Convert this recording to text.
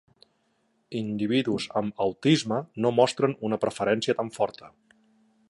Individus amb autisme no mostren una preferència tan forta.